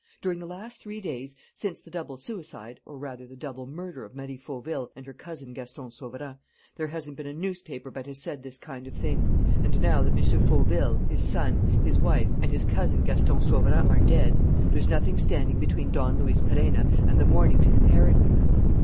During the last three days, since the double suicide, or, rather, the double murder of Marie Fauville and her cousin Gaston Sauverand, there hasn't been a newspaper but has said this kind of thing: 'And, now that M. Fauville, his son, his wife, and his cousin Gaston Sauverand are dead, there's nothing standing between Don Luis Perenna and the Mornington inheritance!'